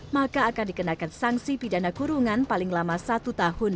maka akan dikenakan sanksi pidana kurungan paling lama satu tahun